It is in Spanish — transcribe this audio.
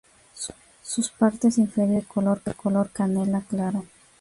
Sus partes inferiores son de color canela claro.